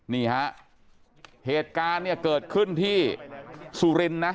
นี่ฮะเหตุการณ์เนี่ยเกิดขึ้นที่สุรินทร์นะ